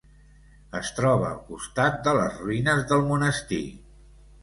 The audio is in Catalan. Es troba al costat de les ruïnes del monestir.